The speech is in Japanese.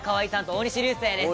大西流星です